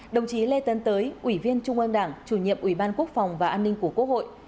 đồng chí lê tấn tới ủy viên trung ương đảng chủ nhiệm ủy ban quốc phòng và an ninh của quốc hội